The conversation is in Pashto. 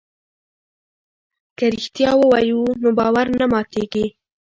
که رښتیا ووایو نو باور نه ماتیږي.